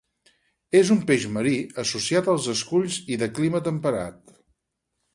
És un peix marí, associat als esculls i de clima temperat.